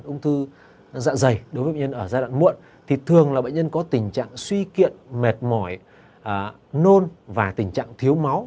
ung thư dạ dày đối với bệnh nhân ở giai đoạn muộn thì thường là bệnh nhân có tình trạng suy kiệt mệt mỏi nôn và tình trạng thiếu máu